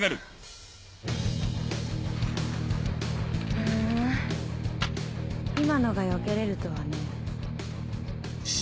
ふん今のがよけれるとはね。